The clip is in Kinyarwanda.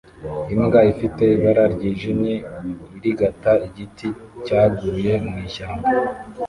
Imbwa ifite ibara ryijimye irigata igiti cyaguye mwishyamba